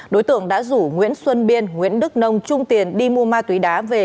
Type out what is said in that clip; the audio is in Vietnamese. đối tượng đã rủ nguyễn xuân biên nguyễn đức nông trung tiền đi mua ma túy đá về